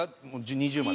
２０まで。